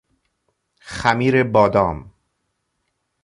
خمیر بادام